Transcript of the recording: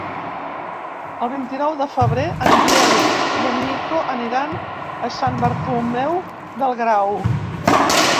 El vint-i-nou de febrer en Biel i en Nico aniran a Sant Bartomeu del Grau.